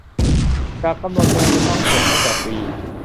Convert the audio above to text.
จากกำหนดเดิมจะต้องเสร็จตั้งแต่ปี